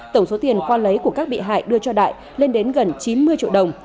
tổng số tiền khoa lấy của các bị hại đưa cho đại lên đến gần chín mươi triệu đồng